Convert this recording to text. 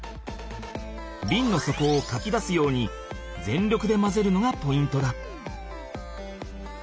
ビンの底をかき出すように全力で混ぜるのがポイントだ。